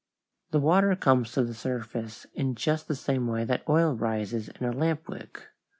The water comes to the surface in just the same way that oil rises in a lamp wick.